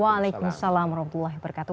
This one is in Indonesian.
waalaikumsalam warahmatullahi wabarakatuh